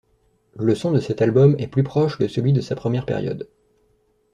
Le son de cet album est plus proche de celui de sa première période.